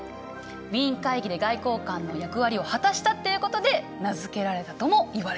ウィーン会議で外交官の役割を果たしたっていうことで名付けられたともいわれてる。